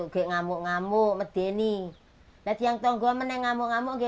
mereka kakinya member dumpuh di duct tape itu jatuh hab schon ber vaccination semuanya